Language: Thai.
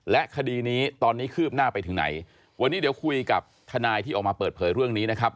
และคดีนี้ตอนนี้คืบหน้าไปถึงไหนวันนี้เดี๋ยวคุยกับทนายที่ออกมาเปิดเผยเรื่องนี้นะครับ